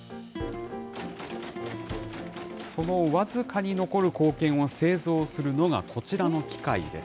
その僅かに残る硬券を製造するのが、こちらの機械です。